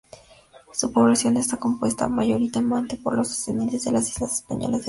Su población está compuesta mayoritariamente por descendientes de las islas españolas de Canarias.